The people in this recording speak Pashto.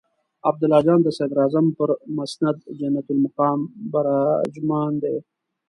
عبدالله جان د صدراعظم پر مسند جنت المقام براجمان دی.